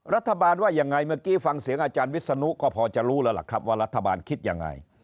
รัฐบาลว่ายังไงเมื่อกี้ฟังเสียงอาจารย์วิศนุก็พอจะรู้แล้วล่ะครับว่ารัฐบาลคิดยังไง